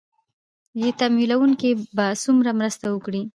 ې تمويلوونکي به څومره مرسته وکړي